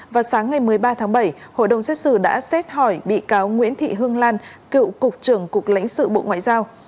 vào sáng ngày một mươi ba tháng bảy hội đồng xét xử đã xét hỏi bị cáo nguyễn thị hương lan cựu cục trưởng cục lãnh sự bộ ngoại giao